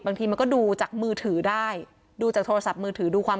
บางทีมันก็ดูจากมือถือได้ดูจากโทรศัพท์มือถือดูความ